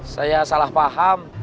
saya salah paham